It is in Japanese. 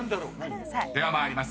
［では参ります。